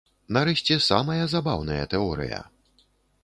Нарэшце, самая забаўная тэорыя.